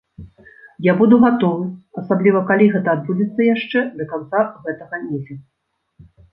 Я буду гатовы, асабліва калі гэта адбудзецца яшчэ да канца гэтага месяца.